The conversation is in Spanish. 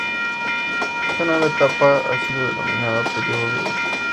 Esta nueva etapa ha sido denominada período de Uruk.